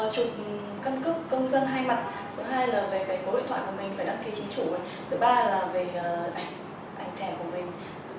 cân cước công dân hai mặt thứ hai là về số điện thoại của mình phải đăng ký chính chủ thứ ba là về ảnh thẻ của mình